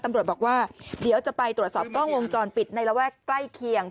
ตำรวจบอกว่าเดี๋ยวจะไปตรวจสอบกล้องวงจรปิดในระแวกใกล้เคียง